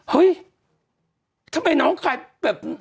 เฮ้ยทำไมนองคือกาแบบ